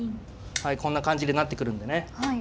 はいこんな感じでなってくるんでね。